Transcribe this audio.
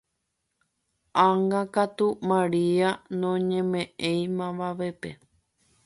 Ág̃akatu Maria noñemeʼẽi mavavépe.